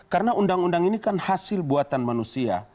karena undang undang ini kan hasil buatan manusia